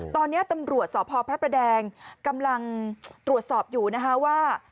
ตอนนี้ตำรวจสพพระประแดงกำลังตรวจสอบอยู่นะคะว่า